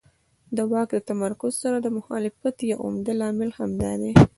د واک له تمرکز سره د مخالفت یو عمده لامل همدا دی.